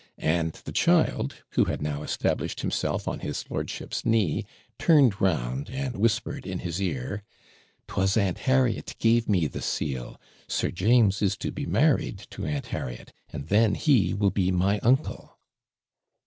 And the child, who had now established himself on his lordship's knee, turned round, and whispered in his ear, ''Twas Aunt Harriet gave me the seal; Sir James is to be married to Aunt Harriet, and then he will be my uncle.'